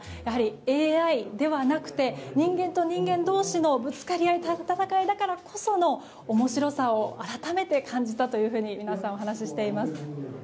ＡＩではなくて人間と人間同士のぶつかり合い、戦いだからこその面白さを改めて感じたと皆さんお話ししています。